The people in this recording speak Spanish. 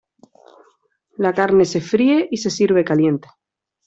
La carne se fríe y se sirve caliente.